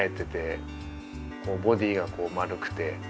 ボディーがこう丸くて。